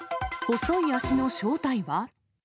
細い足の正体は？